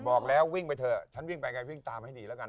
บอกแล้ววิ่งไปเถอะฉันวิ่งไปไงวิ่งตามให้ดีแล้วกัน